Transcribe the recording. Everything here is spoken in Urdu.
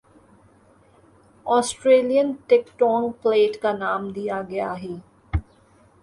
آسٹریلین ٹیکٹونک پلیٹ کا نام دیا گیا ہی